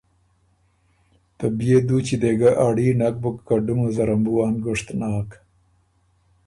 ته بيې دُوچي دې ګۀ اړي نک بُک که ډُمه زرم بُو ا ںګُشت ناک